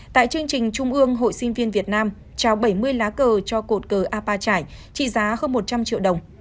tại chương trình trung ương hội sinh viên việt nam trao bảy mươi lá cờ cho cột cờ a pa chải trị giá hơn một trăm linh triệu đồng